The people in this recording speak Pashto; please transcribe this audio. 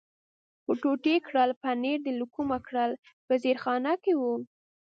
څو ټوټې کړل، پنیر دې له کومه کړل؟ په زیرخانه کې و.